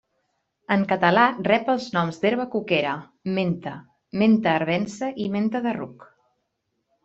En català rep els noms d'herba cuquera, menta, menta arvense i menta de ruc.